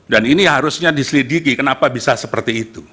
dan ini harusnya diselidiki kenapa bisa seperti itu